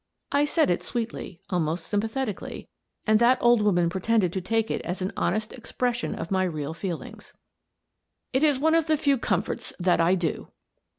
" I said it sweetly, almost sympathetically, and that old woman pretended to take it as an honest expres sion of my real feelings. " It is one of my few comforts that I do."